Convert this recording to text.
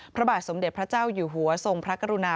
พระบาทสมเด็จพระเจ้าอยู่หัวทรงพระกรุณา